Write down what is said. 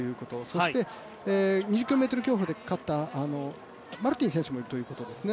そして、２０ｋｍ競歩で勝ったマルティン選手がいるということですね。